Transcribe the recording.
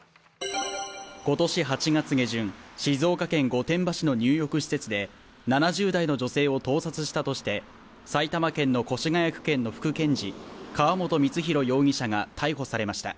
今年８月下旬、静岡県御殿場市の入浴施設で７０代の女性を盗撮したとして埼玉県の越谷区検の副検事川本満博容疑者が逮捕されました。